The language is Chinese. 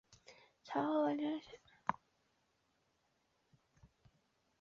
长萼连蕊茶是山茶科山茶属的植物。